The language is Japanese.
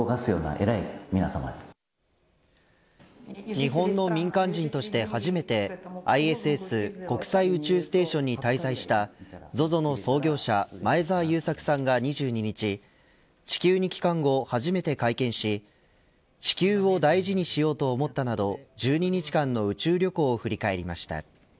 日本の民間人として初めて、ＩＳＳ国際宇宙ステーションに滞在したＺＯＺＯの創業者前澤友作さんが２２日地球に帰還後、初めて会見し地球を大事にしようと思ったなど１２日間の宇宙旅行を振り返りました。